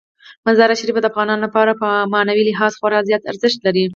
مزارشریف د افغانانو لپاره په معنوي لحاظ خورا زیات ارزښت لري.